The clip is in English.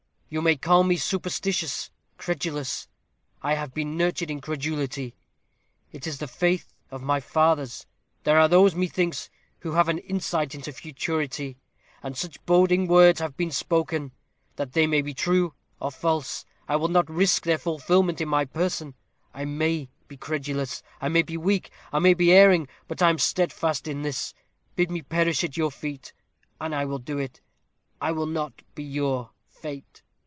You may call me superstitious, credulous: I have been nurtured in credulity. It is the faith of my fathers. There are those, methinks, who have an insight into futurity; and such boding words have been spoken, that, be they true or false, I will not risk their fulfilment in my person. I may be credulous; I may be weak; I may be erring; but I am steadfast in this. Bid me perish at your feet, and I will do it. I will not be your Fate.